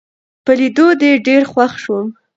په لیدو دي ډېر خوښ شوم